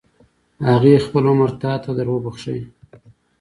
هغې خپل عمر تا له دروبخل.